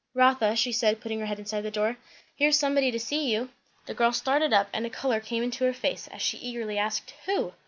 "Rotha," she said putting her head inside the door, "here's somebody to see you." The girl started up and a colour came into her face, as she eagerly asked, "Who?"